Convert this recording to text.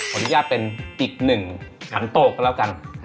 อนุญาตเป็นอีกหนึ่งขันโตก็แล้วกัน